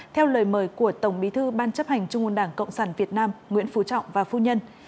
theo lời mời của tổng bí thư ban chấp hành trung ương đảng cộng sản việt nam nguyễn phú trọng và phu nhân